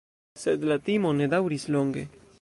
Sed la timo ne daŭris longe.